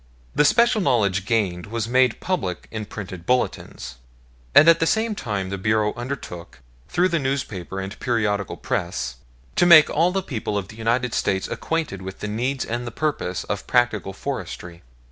The special knowledge gained was made public in printed bulletins; and at the same time the Bureau undertook, through the newspaper and periodical press, to make all the people of the United States acquainted with the needs and the purposes of practical forestry.